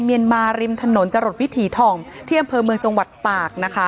มมริมฐนจรดวิถีทองที่อำเภอเมืองจังหวัดปาก